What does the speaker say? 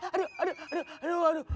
aduh aduh aduh aduh aduh